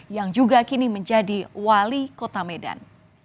yang juga kini menjadi wali kota medan